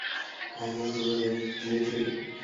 Allí estudió con Rita Kurzmann-Leuchter y Hubert Brandenburg.